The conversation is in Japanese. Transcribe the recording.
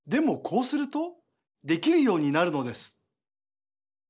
こうするとできるようになるのです。